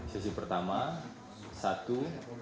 sesi pertama satu